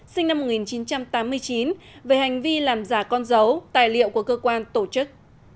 sinh năm một nghìn chín trăm tám mươi chín về hành vi làm giả con dấu tài liệu của cơ quan tổ chức